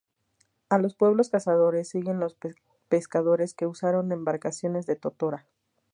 A los pueblos cazadores siguen los pescadores que usaron embarcaciones de totora.